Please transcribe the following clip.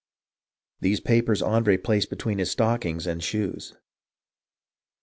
These papers Andre placed between his stock ings and shoes.